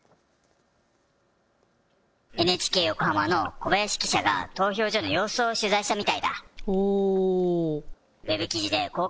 ＮＨＫ横浜の小林記者が投票所の様子を取材したみたいだ。